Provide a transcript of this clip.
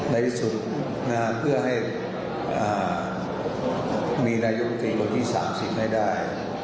ในสุดเพื่อให้มีนายุคลิคนที่๓๐ให้ได้